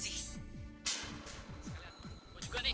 sekalian mau juga nih